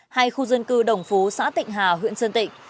hay khu dân cư đồng phú xã tịnh hà huyện sơn tịnh